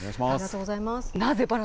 ありがとうございます。